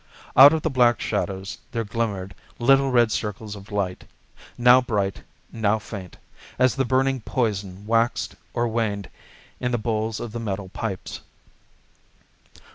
Out of the black shadows there glimmered little red circles of light, now bright, now faint, as the burning poison waxed or waned in the bowls of the metal pipes.